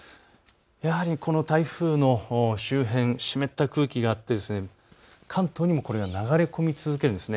やはりこの台風の周辺、湿った空気があって関東にもこれが流れ込み続けるんです。